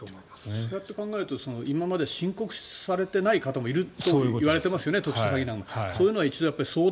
そうやって考えると今まで申告されてない方もいるといわれていますよね。